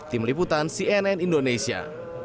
tim liputan cnn indonesia